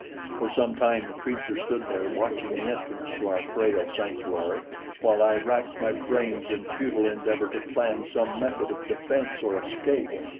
For some time the creature stood there watching the entrance to our frail sanctuary while I racked my brains in futile endeavor to plan some method of defense or escape.